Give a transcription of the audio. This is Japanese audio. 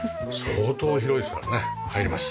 相当広いですからね入ります。